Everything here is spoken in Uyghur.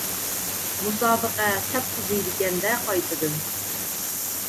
مۇسابىقە سەت قىزىيدىكەن-دە قايتىدىن.